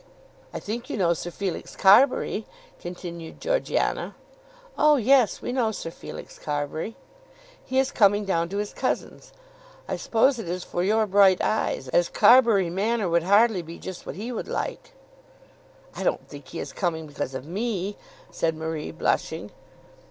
"I think you know Sir Felix Carbury," continued Georgiana. "Oh yes, we know Sir Felix Carbury." "He is coming down to his cousin's. I suppose it is for your bright eyes, as Carbury Manor would hardly be just what he would like." "I don't think he is coming because of me," said Marie blushing.